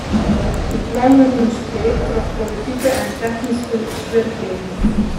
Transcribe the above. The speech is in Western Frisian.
Dy plannen rûnen speak troch politike en technyske swierrichheden.